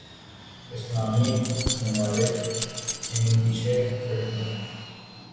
اسلامی ممالک کہیں پیچھے کھڑے ہیں۔